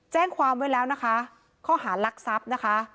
แจ้งความไว้แล้วนะคะข้อหารักทรัพย์นะคะ